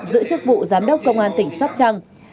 giữ chức vụ giám đốc công an tỉnh sóc trăng